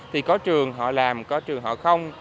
thì có trường họ làm có trường họ không